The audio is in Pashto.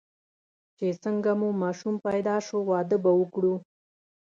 چې څنګه مو ماشوم پیدا شو، واده به وکړو.